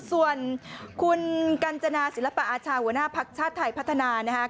ส่วนคุณกันจราษิลปะอาชาหัวหน้าภักรชาตรไทยพัฒนานะฮะ